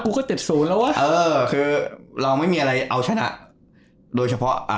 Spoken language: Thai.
กุกก็เซ็็สศูนย์แล้วนัการับคือเราไม่มีอะไรเอาชนะโดยเฉพาะอ่า